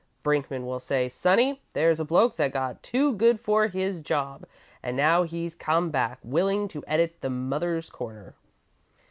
Brinkman will say: 'Sonny, there's a bloke that got too good for his job and now he's come back, willing to edit The Mother's Corner.'